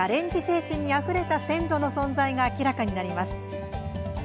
精神にあふれた先祖の存在が明らかになります。